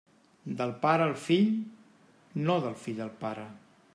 Del pare al fill, no del fill al pare.